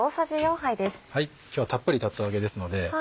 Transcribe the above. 今日はたっぷり竜田揚げですので。